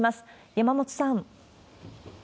山本さん。